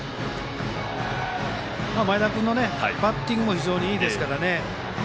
前田君のバッティングも非常にいいですからね。